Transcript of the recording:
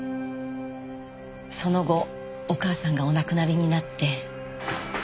その後お母さんがお亡くなりになって。